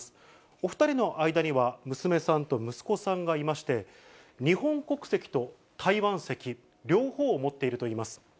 お２人の間には娘さんと息子さんがいまして、日本国籍と台湾籍、両方を持っているといいます。